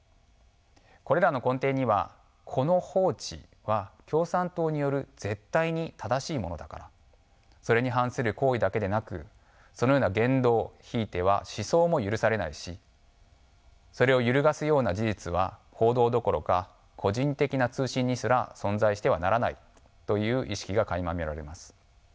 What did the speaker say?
これらの根底にはこの法治は共産党による絶対に正しいものだからそれに反する行為だけでなくそのような言動ひいては思想も許されないしそれを揺るがすような事実は報道どころか個人的な通信にすら存在してはならないという意識がかいま見られます。